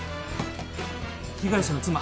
被害者の妻